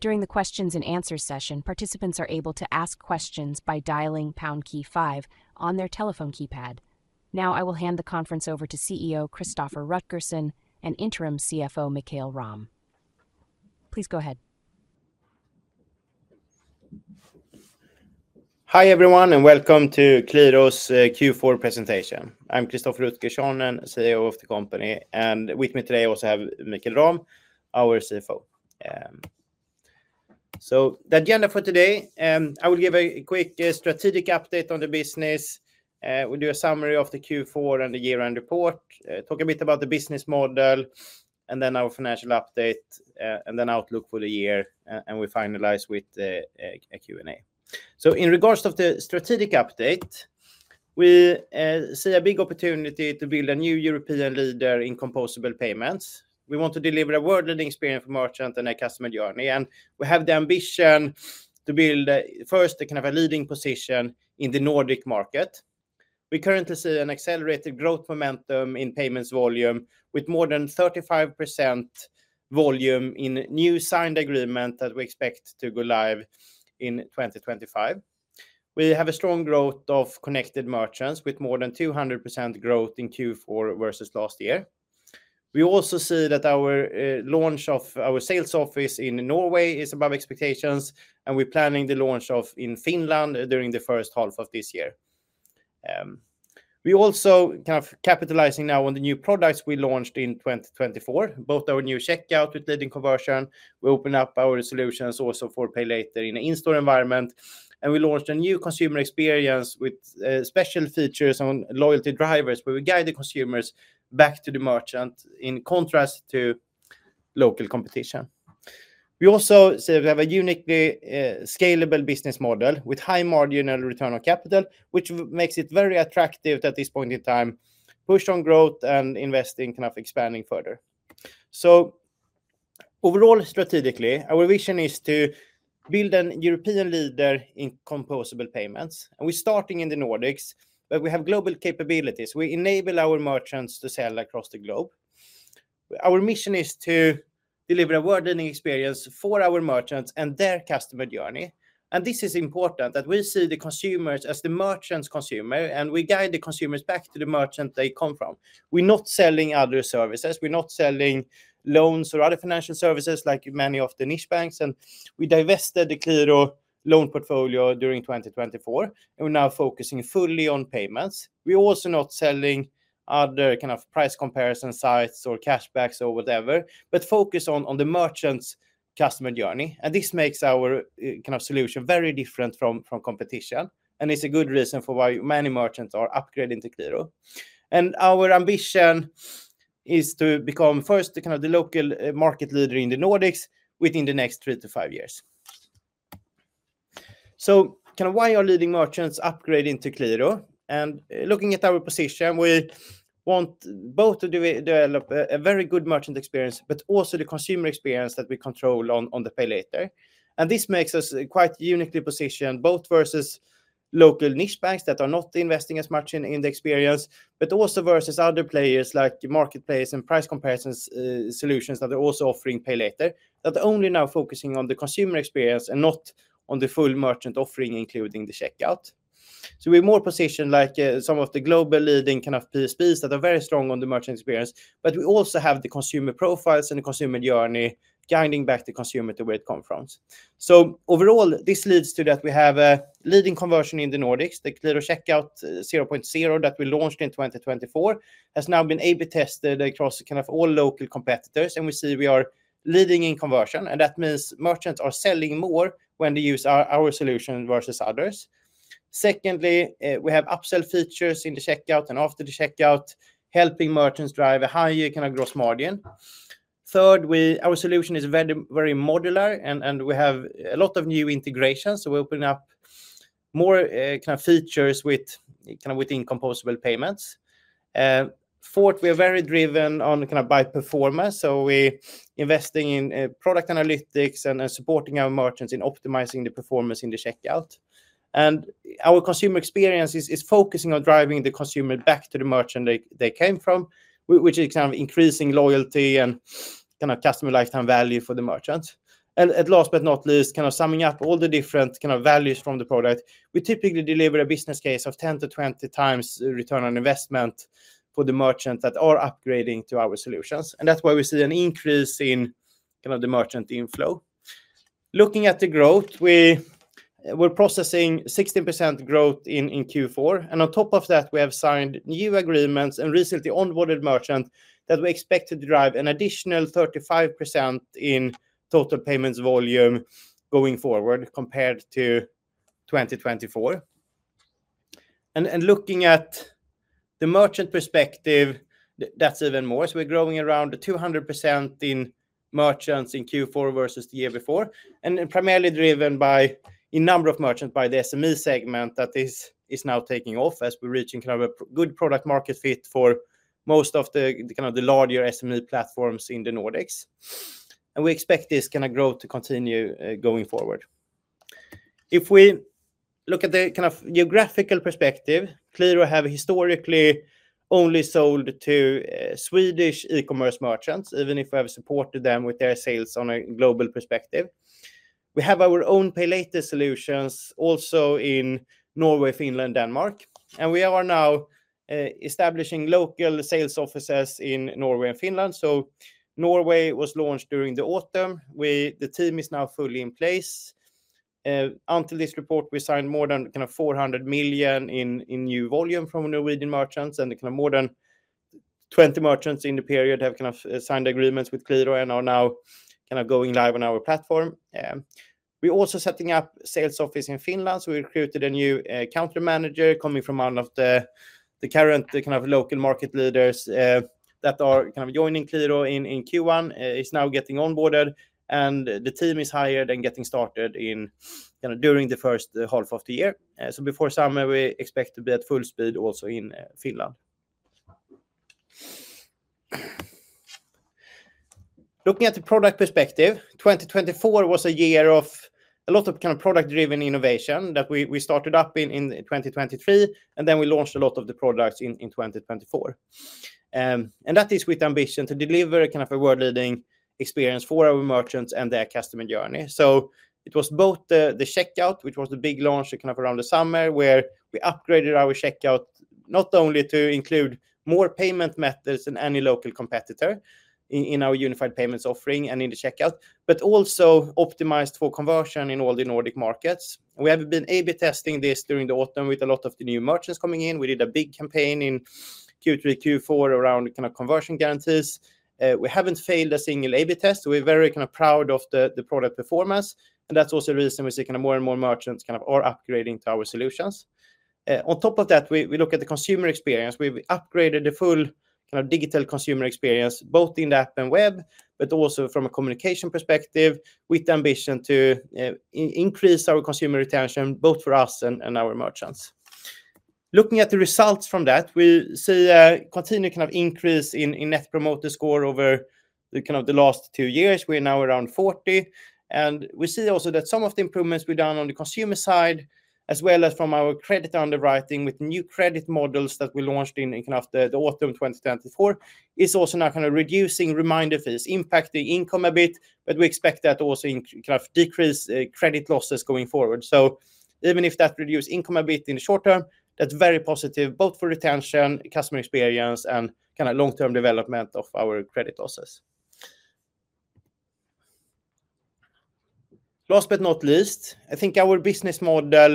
During the question-and-answer session, participants are able to ask questions by dialing #5 on their telephone keypad. Now, I will hand the conference over to CEO Christoffer Rutgersson and Interim CFO Mikael Rahm. Please go ahead. Hi everyone, and welcome to Qliro's Q4 presentation. I'm Christoffer Rutgersson, CEO of the company, and with me today I also have Mikael Rahm, our CFO. The agenda for today: I will give a quick strategic update on the business, we'll do a summary of the Q4 and the year-end report, talk a bit about the business model, and then our financial update, and then outlook for the year, and we finalize with a Q&A. In regards to the strategic update, we see a big opportunity to build a new European leader in composable payments. We want to deliver a world-leading experience for merchants and their customer journey, and we have the ambition to build, first, a leading position in the Nordic market. We currently see an accelerated growth momentum in payments volume, with more than 35% volume in new signed agreements that we expect to go live in 2025. We have a strong growth of connected merchants, with more than 200% growth in Q4 versus last year. We also see that our launch of our sales office in Norway is above expectations, and we're planning the launch in Finland during the first half of this year. We're also capitalizing now on the new products we launched in 2024, both our new checkout with leading conversion, we open up our solutions also for pay later in an in-store environment, and we launched a new consumer experience with special features on loyalty drivers where we guide the consumers back to the merchant in contrast to local competition. We also have a uniquely scalable business model with high marginal return on capital, which makes it very attractive at this point in time, push on growth and investing kind of expanding further. Overall, strategically, our vision is to build a European leader in composable payments, and we're starting in the Nordics, but we have global capabilities. We enable our merchants to sell across the globe. Our mission is to deliver a world-leading experience for our merchants and their customer journey. This is important that we see the consumers as the merchant's consumer, and we guide the consumers back to the merchant they come from. We're not selling other services. We're not selling loans or other financial services like many of the niche banks, and we divested the Qliro loan portfolio during 2024, and we're now focusing fully on payments. We're also not selling other kind of price comparison sites or cashbacks or whatever, but focus on the merchant's customer journey. This makes our kind of solution very different from competition, and it's a good reason for why many merchants are upgrading to Qliro. Our ambition is to become, first, kind of the local market leader in the Nordics within the next three to five years. Kind of why are leading merchants upgrading to Qliro? Looking at our position, we want both to develop a very good merchant experience, but also the consumer experience that we control on the pay later. This makes us quite uniquely positioned both versus local niche banks that are not investing as much in the experience, but also versus other players like market players and price comparison solutions that are also offering pay later, that only now focusing on the consumer experience and not on the full merchant offering, including the checkout. We are more positioned like some of the global leading kind of PSPs that are very strong on the merchant experience, but we also have the consumer profiles and the consumer journey guiding back the consumer to where it comes from. Overall, this leads to that we have a leading conversion in the Nordics. The Qliro Checkout Gen 3 that we launched in 2024 has now been A/B tested across kind of all local competitors, and we see we are leading in conversion, and that means merchants are selling more when they use our solution versus others. Secondly, we have upsell features in the checkout and after the checkout, helping merchants drive a higher kind of gross margin. Third, our solution is very, very modular, and we have a lot of new integrations, so we're opening up more kind of features kind of within composable payments. Fourth, we are very driven on kind of by performance, so we're investing in product analytics and supporting our merchants in optimizing the performance in the checkout. Our consumer experience is focusing on driving the consumer back to the merchant they came from, which is kind of increasing loyalty and kind of customer lifetime value for the merchant. Last but not least, kind of summing up all the different kind of values from the product, we typically deliver a business case of 10-20 times return on investment for the merchants that are upgrading to our solutions, and that's why we see an increase in kind of the merchant inflow. Looking at the growth, we're processing 16% growth in Q4, and on top of that, we have signed new agreements and recently onboarded merchants that we expect to drive an additional 35% in total payments volume going forward compared to 2024. Looking at the merchant perspective, that's even more, so we're growing around 200% in merchants in Q4 versus the year before, and primarily driven by a number of merchants by the SME segment that is now taking off as we're reaching kind of a good product market fit for most of the kind of the larger SME platforms in the Nordics, and we expect this kind of growth to continue going forward. If we look at the kind of geographical perspective, Qliro have historically only sold to Swedish e-commerce merchants, even if we have supported them with their sales on a global perspective. We have our own pay later solutions also in Norway, Finland, Denmark, and we are now establishing local sales offices in Norway and Finland. Norway was launched during the autumn. The team is now fully in place. Until this report, we signed more than 400 million in new volume from Norwegian merchants, and more than 20 merchants in the period have signed agreements with Qliro and are now going live on our platform. We are also setting up a sales office in Finland, so we recruited a new country manager coming from one of the current local market leaders that are joining Qliro in Q1, is now getting onboarded, and the team is hired and getting started during the first half of the year. Before summer, we expect to be at full speed also in Finland. Looking at the product perspective, 2024 was a year of a lot of product-driven innovation that we started up in 2023, and then we launched a lot of the products in 2024. That is with ambition to deliver a kind of a world-leading experience for our merchants and their customer journey. It was both the checkout, which was the big launch kind of around the summer, where we upgraded our checkout not only to include more payment methods than any local competitor in our unified payments offering and in the checkout, but also optimized for conversion in all the Nordic markets. We have been A/B testing this during the autumn with a lot of the new merchants coming in. We did a big campaign in Q3, Q4 around kind of conversion guarantees. We have not failed a single A/B test, so we are very kind of proud of the product performance, and that is also the reason we see kind of more and more merchants kind of are upgrading to our solutions. On top of that, we look at the consumer experience. We've upgraded the full kind of digital consumer experience, both in the app and web, but also from a communication perspective with the ambition to increase our consumer retention, both for us and our merchants. Looking at the results from that, we see a continued kind of increase in Net Promoter Score over kind of the last two years. We're now around 40, and we see also that some of the improvements we've done on the consumer side, as well as from our credit underwriting with new credit models that we launched in kind of the autumn 2024, is also now kind of reducing reminder fees, impacting income a bit, but we expect that to also kind of decrease credit losses going forward. Even if that reduces income a bit in the short term, that's very positive, both for retention, customer experience, and kind of long-term development of our credit losses. Last but not least, I think our business model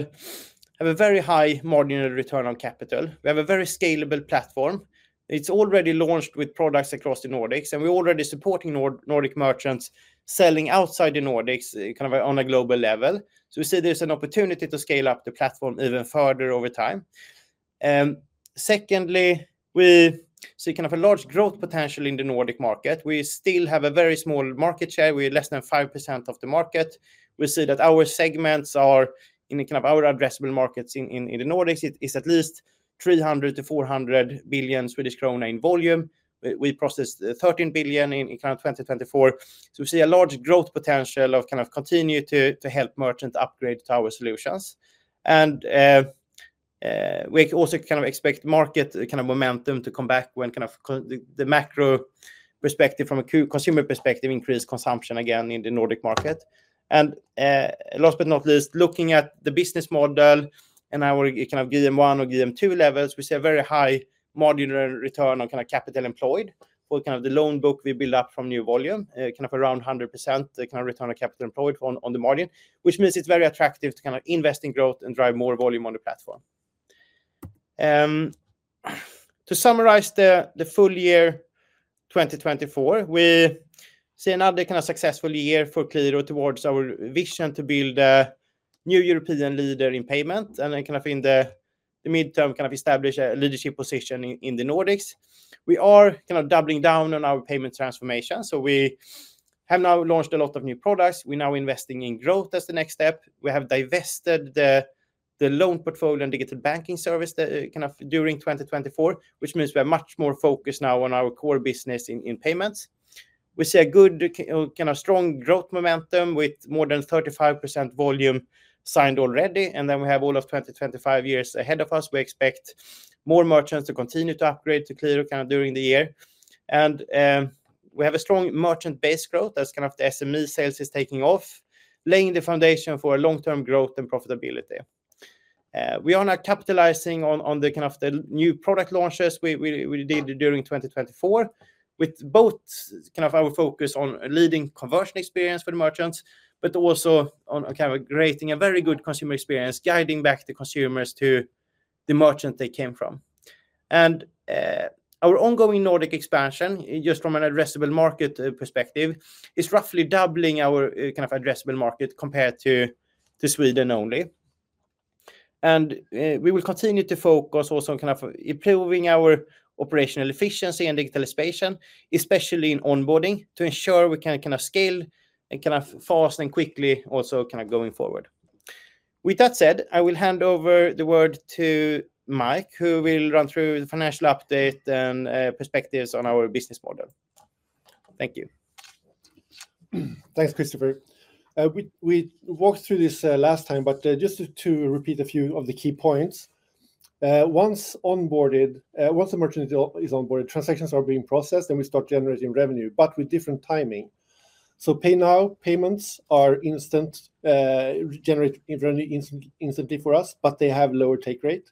has a very high marginal return on capital. We have a very scalable platform. It's already launched with products across the Nordics, and we're already supporting Nordic merchants selling outside the Nordics kind of on a global level. We see there's an opportunity to scale up the platform even further over time. Secondly, we see kind of a large growth potential in the Nordic market. We still have a very small market share. We're less than 5% of the market. We see that our segments are in kind of our addressable markets in the Nordics. It's at least 300 billion to 400 billion Swedish krona in volume. We processed 13 billion in kind of 2024. We see a large growth potential of kind of continuing to help merchants upgrade to our solutions. We also kind of expect market kind of momentum to come back when kind of the macro perspective from a consumer perspective increases consumption again in the Nordic market. Last but not least, looking at the business model and our kind of GP1 or GP2 levels, we see a very high marginal return on kind of capital employed for kind of the loan book we build up from new volume, kind of around 100% kind of return on capital employed on the margin, which means it is very attractive to kind of invest in growth and drive more volume on the platform. To summarize the full year 2024, we see another kind of successful year for Qliro towards our vision to build a new European leader in payment and then kind of in the midterm kind of establish a leadership position in the Nordics. We are kind of doubling down on our payment transformation, so we have now launched a lot of new products. We're now investing in growth as the next step. We have divested the loan portfolio and digital banking service kind of during 2024, which means we have much more focus now on our core business in payments. We see a good kind of strong growth momentum with more than 35% volume signed already, and then we have all of 2025 years ahead of us. We expect more merchants to continue to upgrade to Qliro kind of during the year, and we have a strong merchant base growth as kind of the SME sales is taking off, laying the foundation for long-term growth and profitability. We are now capitalizing on the kind of the new product launches we did during 2024, with both kind of our focus on leading conversion experience for the merchants, but also on kind of creating a very good consumer experience, guiding back the consumers to the merchant they came from. Our ongoing Nordic expansion, just from an addressable market perspective, is roughly doubling our kind of addressable market compared to Sweden only. We will continue to focus also on kind of improving our operational efficiency and digitalization, especially in onboarding, to ensure we can kind of scale and kind of fast and quickly also kind of going forward. With that said, I will hand over the word to Mike, who will run through the financial update and perspectives on our business model. Thank you. Thanks, Christoffer. We walked through this last time, but just to repeat a few of the key points. Once onboarded, once a merchant is onboarded, transactions are being processed, and we start generating revenue, but with different timing. Pay now payments are instant, generate revenue instantly for us, but they have lower take rate,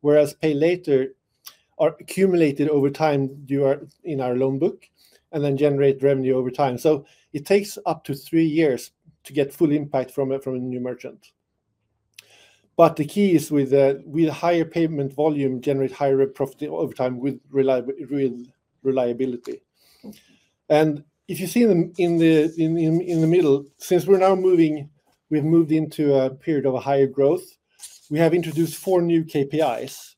whereas pay later are accumulated over time in our loan book and then generate revenue over time. It takes up to three years to get full impact from a new merchant. The key is with higher payment volume, generate higher profit over time with reliability. If you see in the middle, since we're now moving, we've moved into a period of higher growth, we have introduced four new KPIs.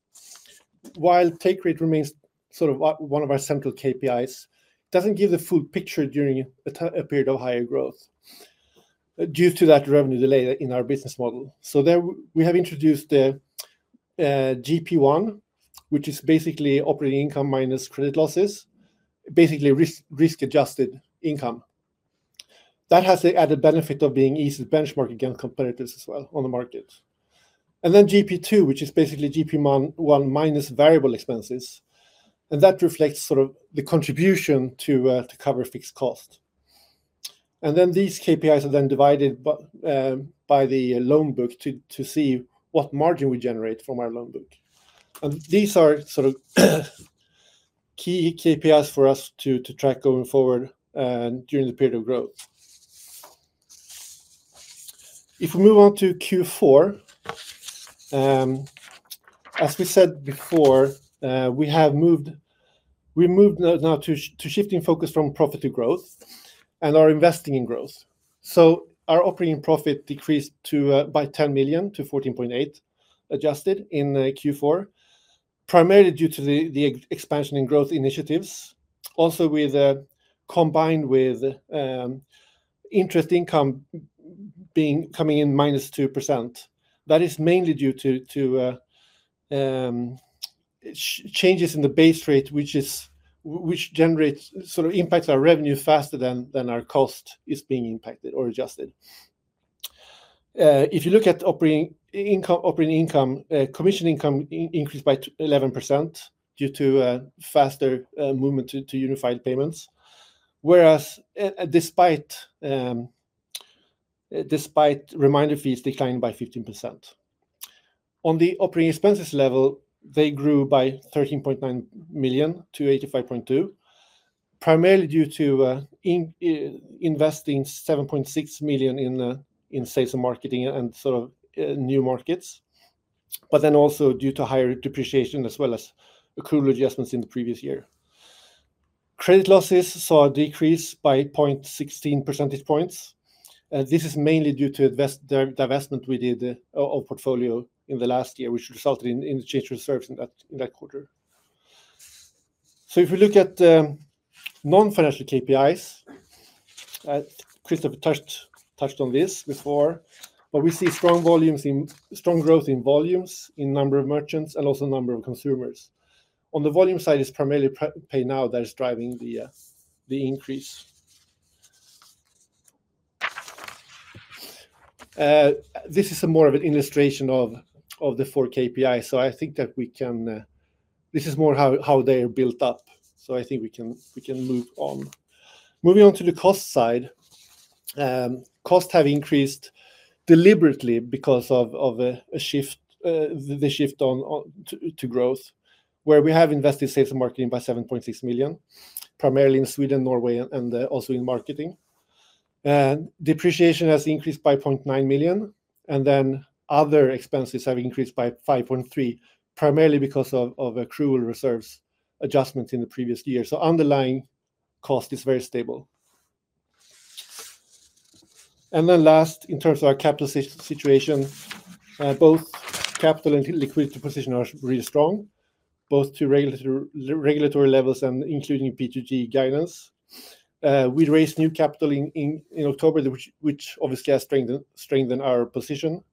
While take rate remains sort of one of our central KPIs, it doesn't give the full picture during a period of higher growth due to that revenue delay in our business model. We have introduced GP1, which is basically operating income minus credit losses, basically risk-adjusted income. That has the added benefit of being easy to benchmark against competitors as well on the market. GP2, which is basically GP1 minus variable expenses, reflects sort of the contribution to cover fixed cost. These KPIs are then divided by the loan book to see what margin we generate from our loan book. These are sort of key KPIs for us to track going forward during the period of growth. If we move on to Q4, as we said before, we have moved, we moved now to shifting focus from profit to growth and are investing in growth. Our operating profit decreased by 10 million to 14.8 million adjusted in Q4, primarily due to the expansion in growth initiatives, also combined with interest income coming in minus 2%. That is mainly due to changes in the base rate, which generates sort of impacts our revenue faster than our cost is being impacted or adjusted. If you look at operating income, commission income increased by 11% due to faster movement to Unified Payments, whereas despite reminder fees declined by 15%. On the operating expenses level, they grew by 13.9 million to 85.2 million, primarily due to investing 7.6 million in sales and marketing and sort of new markets, but then also due to higher depreciation as well as accrual adjustments in the previous year. Credit losses saw a decrease by 0.16 percentage points. This is mainly due to the divestment we did of portfolio in the last year, which resulted in the change of service in that quarter. If we look at non-financial KPIs, Christoffer touched on this before, but we see strong volumes in strong growth in volumes, in number of merchants, and also number of consumers. On the volume side, it is primarily pay now that is driving the increase. This is more of an illustration of the four KPIs, so I think that we can, this is more how they are built up, so I think we can move on. Moving on to the cost side, costs have increased deliberately because of the shift to growth, where we have invested in sales and marketing by 7.6 million, primarily in Sweden, Norway, and also in marketing. Depreciation has increased by 0.9 million, and then other expenses have increased by 5.3 million, primarily because of accrual reserves adjustments in the previous year. Underlying cost is very stable. Last, in terms of our capital situation, both capital and liquidity position are really strong, both to regulatory levels and including P2G guidance. We raised new capital in October, which obviously has strengthened our position.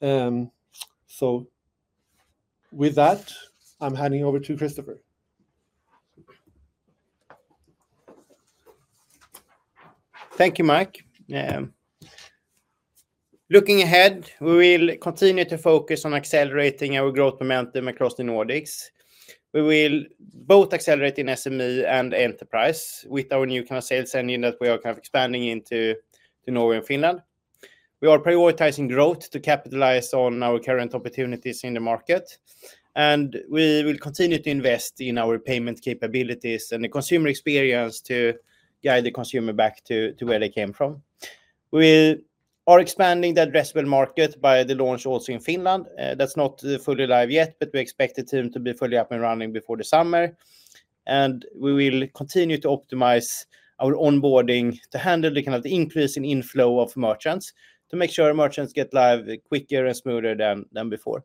With that, I'm handing over to Christoffer. Thank you, Mike. Looking ahead, we will continue to focus on accelerating our growth momentum across the Nordics. We will both accelerate in SME and enterprise with our new kind of sales engine that we are kind of expanding into Norway and Finland. We are prioritizing growth to capitalize on our current opportunities in the market, and we will continue to invest in our payment capabilities and the consumer experience to guide the consumer back to where they came from. We are expanding the addressable market by the launch also in Finland. That is not fully live yet, but we expect it to be fully up and running before the summer, and we will continue to optimize our onboarding to handle the kind of increase in inflow of merchants to make sure merchants get live quicker and smoother than before.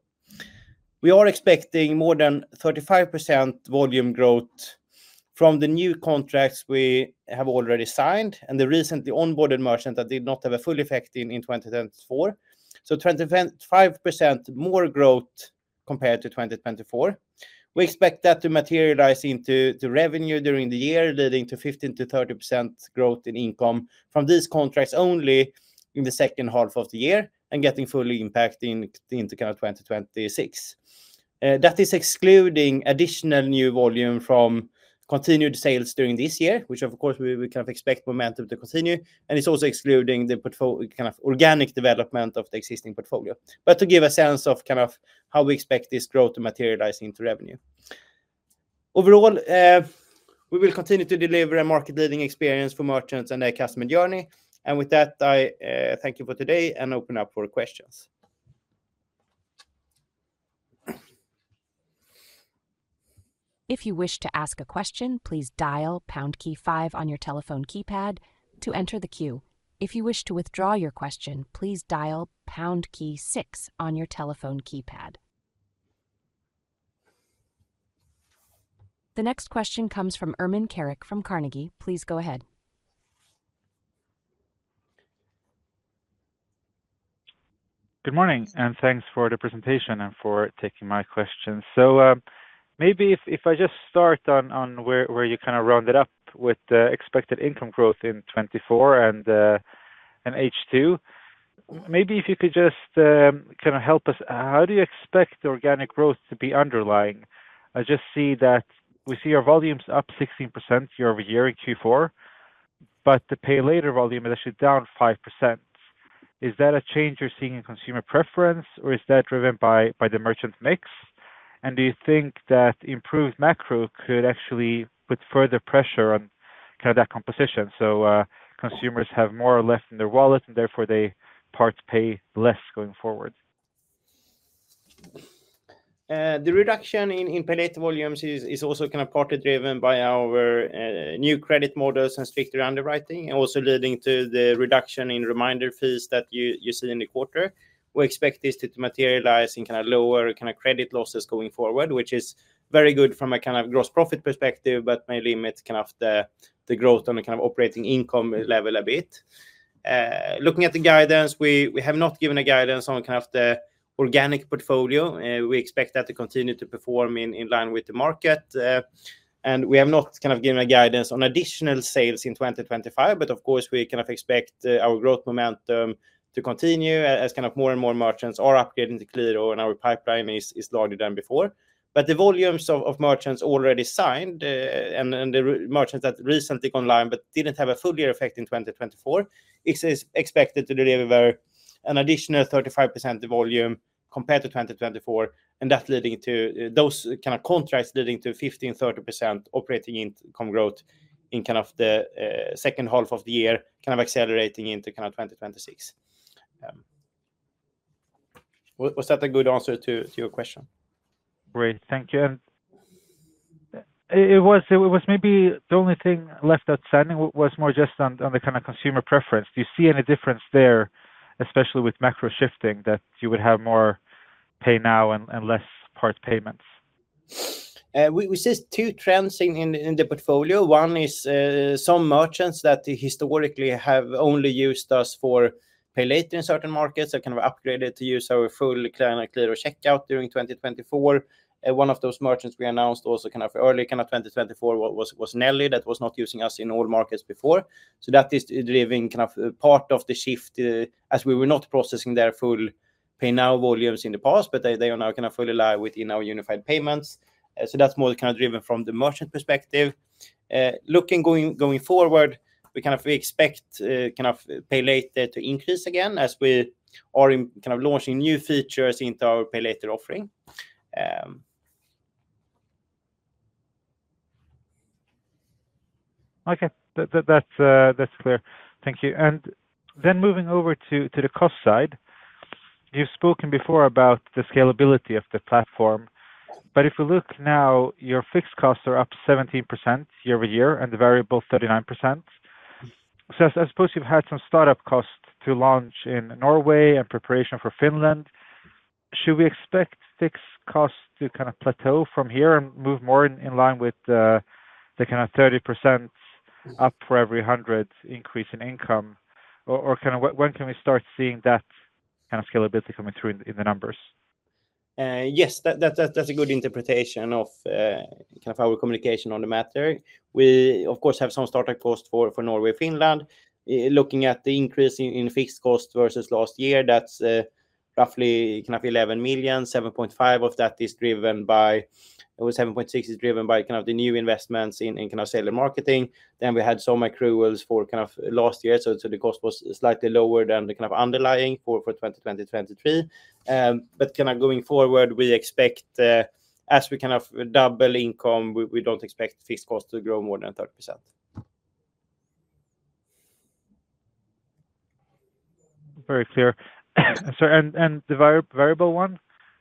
We are expecting more than 35% volume growth from the new contracts we have already signed and the recently onboarded merchant that did not have a full effect in 2024. Twenty-five percent more growth compared to 2024. We expect that to materialize into revenue during the year, leading to 15-30% growth in income from these contracts only in the second half of the year and getting full impact into kind of 2026. That is excluding additional new volume from continued sales during this year, which of course we kind of expect momentum to continue, and it is also excluding the kind of organic development of the existing portfolio. To give a sense of kind of how we expect this growth to materialize into revenue. Overall, we will continue to deliver a market-leading experience for merchants and their customer journey. With that, I thank you for today and open up for questions. If you wish to ask a question, please dial pound key five on your telephone keypad to enter the queue. If you wish to withdraw your question, please dial pound key six on your telephone keypad. The next question comes from Ermin Keric from Carnegie. Please go ahead. Good morning and thanks for the presentation and for taking my question. Maybe if I just start on where you kind of rounded up with the expected income growth in 2024 and H2, maybe if you could just kind of help us, how do you expect the organic growth to be underlying? I just see that we see our volumes up 16% year over year in Q4, but the pay later volume is actually down 5%. Is that a change you're seeing in consumer preference, or is that driven by the merchant mix? Do you think that improved macro could actually put further pressure on kind of that composition? Consumers have more left in their wallet, and therefore they part pay less going forward. The reduction in pay later volumes is also kind of partly driven by our new credit models and stricter underwriting, also leading to the reduction in reminder fees that you see in the quarter. We expect this to materialize in kind of lower kind of credit losses going forward, which is very good from a kind of gross profit perspective, but may limit kind of the growth on the kind of operating income level a bit. Looking at the guidance, we have not given a guidance on kind of the organic portfolio. We expect that to continue to perform in line with the market, and we have not kind of given a guidance on additional sales in 2025, but of course we kind of expect our growth momentum to continue as kind of more and more merchants are upgrading to Qliro, and our pipeline is larger than before. The volumes of merchants already signed and the merchants that recently online but did not have a full year effect in 2024 is expected to deliver an additional 35% volume compared to 2024, and that leading to those kind of contracts leading to 15-30% operating income growth in kind of the second half of the year kind of accelerating into 2026. Was that a good answer to your question? Great, thank you. It was maybe the only thing left outstanding was more just on the kind of consumer preference. Do you see any difference there, especially with macro shifting, that you would have more pay now and less part payments? We see two trends in the portfolio. One is some merchants that historically have only used us for pay later in certain markets that kind of upgraded to use our full Qliro checkout during 2024. One of those merchants we announced also kind of early kind of 2024 was Nelly that was not using us in all markets before. That is driving kind of part of the shift as we were not processing their full pay now volumes in the past, but they are now kind of fully live within our Unified Payments. That is more kind of driven from the merchant perspective. Looking going forward, we kind of expect kind of pay later to increase again as we are kind of launching new features into our pay later offering. Okay, that's clear. Thank you. Moving over to the cost side, you've spoken before about the scalability of the platform, but if we look now, your fixed costs are up 17% year over year and the variable 39%. I suppose you've had some startup costs to launch in Norway and preparation for Finland. Should we expect fixed costs to kind of plateau from here and move more in line with the kind of 30% up for every hundred increase in income, or kind of when can we start seeing that kind of scalability coming through in the numbers? Yes, that's a good interpretation of kind of our communication on the matter. We, of course, have some startup costs for Norway and Finland. Looking at the increase in fixed costs versus last year, that's roughly kind of 11 million. 7.5 million of that is driven by, or 7.6 million is driven by kind of the new investments in kind of seller marketing. Then we had some accruals for kind of last year, so the cost was slightly lower than the kind of underlying for 2023. Going forward, we expect as we kind of double income, we don't expect fixed costs to grow more than 30%. Very clear. The variable one,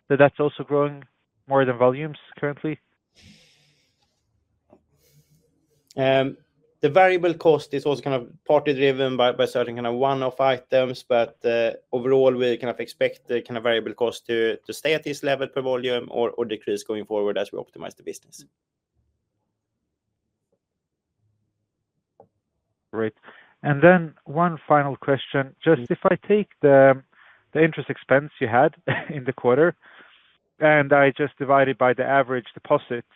that's also growing more than volumes currently? The variable cost is also kind of partly driven by certain kind of one-off items, but overall, we kind of expect kind of variable costs to stay at this level per volume or decrease going forward as we optimize the business. Great. One final question. If I take the interest expense you had in the quarter and I just divide it by the average deposits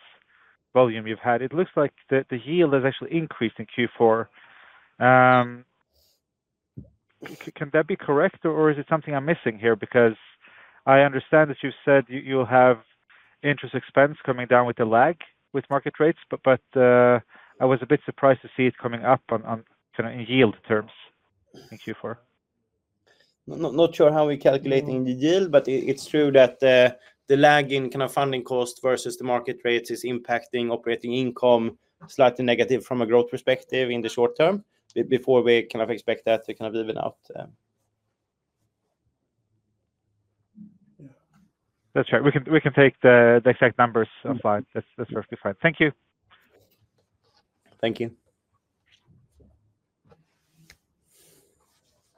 volume you've had, it looks like the yield has actually increased in Q4. Can that be correct, or is it something I'm missing here? I understand that you've said you'll have interest expense coming down with the lag with market rates, but I was a bit surprised to see it coming up in yield terms in Q4. Not sure how we're calculating the yield, but it's true that the lag in funding cost versus the market rates is impacting operating income slightly negative from a growth perspective in the short term. Before we expect that to even out. That's right. We can take the exact numbers offline. That's perfectly fine. Thank you. Thank you.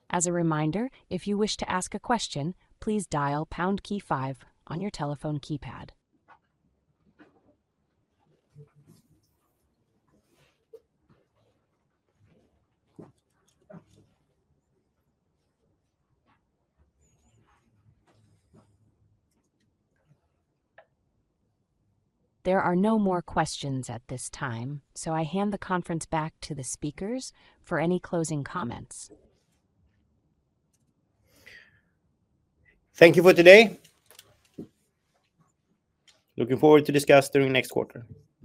As a reminder, if you wish to ask a question, please dial pound key five on your telephone keypad. There are no more questions at this time, so I hand the conference back to the speakers for any closing comments. Thank you for today. Looking forward to discuss during next quarter.